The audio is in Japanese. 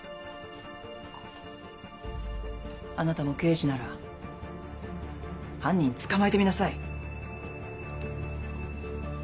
あなたも刑事なら犯人捕まえてみなさい。